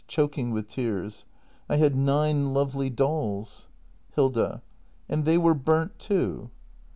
[Choking with tears.] I had nine lovely dolls. Hilda. And they were burnt too